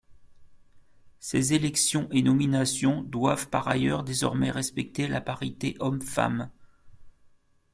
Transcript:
Ces élections et nominations doivent par ailleurs désormais respecter la parité hommes-femmes.